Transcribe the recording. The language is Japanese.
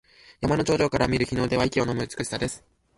山の頂上から見る日の出は息をのむ美しさです。